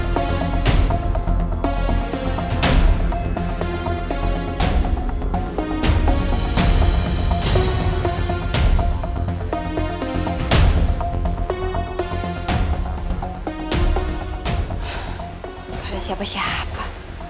gak ada siapa siapa